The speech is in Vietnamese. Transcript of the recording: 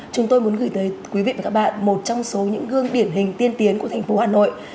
chúng tôi muốn gửi tới quý vị và các bạn một trong số những gương điển hình tiên tiến của thành phố hà nội